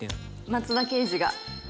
松田刑事が。